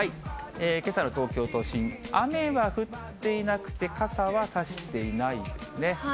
けさの東京都心、雨は降っていなくて、傘は差していないですね。